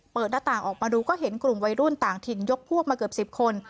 หน้าต่างออกมาดูก็เห็นกลุ่มวัยรุ่นต่างถิ่นยกพวกมาเกือบ๑๐คน